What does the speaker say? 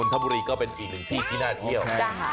ทบุรีก็เป็นอีกหนึ่งที่ที่น่าเที่ยว